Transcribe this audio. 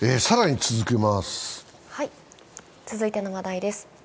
続いての話題です。